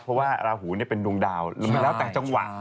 เพราะว่าราหูเป็นดวงดาวแล้วมันแล้วแต่จังหวะ